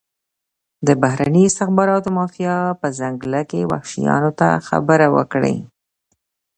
د بهرني استخباراتي مافیا په ځنګل کې وحشیانو ته خبره وکړي.